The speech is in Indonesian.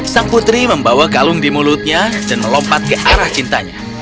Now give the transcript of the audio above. sang putri membawa kalung di mulutnya dan melompat ke arah cintanya